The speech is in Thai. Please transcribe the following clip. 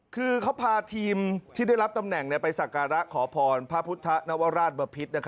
คือเขาพาทีมที่ได้รับตำแหน่งไปสักการะขอพรพระพุทธนวราชบพิษ